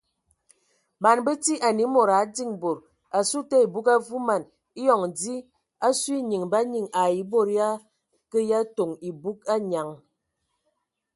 Man bəti anə a mod a diŋ bad asu te ebug avuman eyɔŋ dzi asu enyiŋ ba nyiŋ ai bod ya kə ya toŋ ebug anyaŋ.